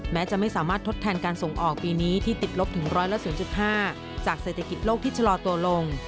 แม้จะไม่สามารถทดแทนการส่งออกปีนี้ที่ติดลบถึง๑๐๕จากเศรษฐกิจโลกที่ชะลอตัวลง